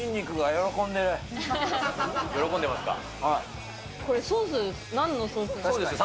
喜んでますか。